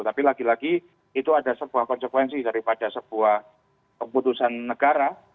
tapi lagi lagi itu ada sebuah konsekuensi daripada sebuah keputusan negara